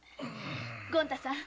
権太さん